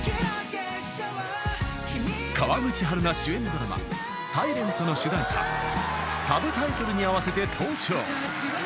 ［川口春奈主演ドラマ『ｓｉｌｅｎｔ』の主題歌『Ｓｕｂｔｉｔｌｅ』に合わせて登場］